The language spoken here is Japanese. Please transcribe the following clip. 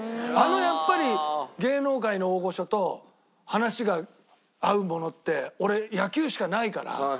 やっぱり芸能界の大御所と話が合うものって俺野球しかないから。